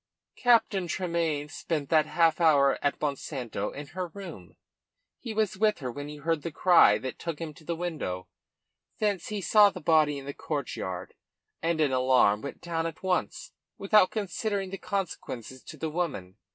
"Captain Tremayne spent that half hour at Monsanto in her room. He was with her when he heard the cry that took him to the window. Thence he saw the body in the courtyard, and in alarm went down at once without considering the consequences to the woman.